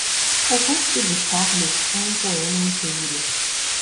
O rosto de Carles é um poema inteiro.